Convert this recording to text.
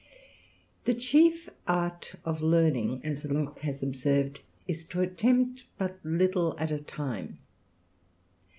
The chief art of learning, as Locke has observed, is to attempt but little at a time.